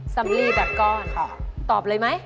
สำลีแบบก้อนตอบเลยไหม